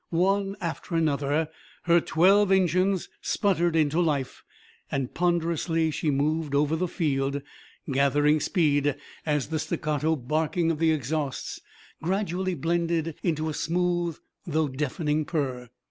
One after another her twelve engines sputtered into life, and ponderously she moved over the field, gathering speed as the staccato barking of the exhausts gradually blended into a smooth though deafening purr.